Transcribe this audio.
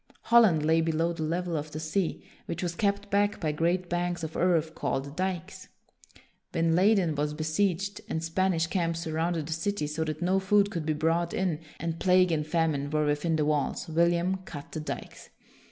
Holland lay below the level of the sea, which was kept back by great banks of earth called dikes. When Leyden was besieged, and Spanish camps surrounded the city so that no food could be brought in, and plague and famine were within the walls, William cut the dikes.